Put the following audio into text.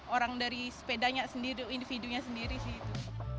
orang dari sepedanya sendiri individunya sendiri sih itu